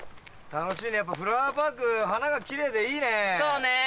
楽しいねやっぱフラワーパーク花がキレイでいいね。